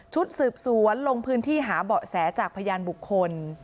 ชุดสืบสวนลงพื้นที่หาเบาะแสจากพยานบุคคล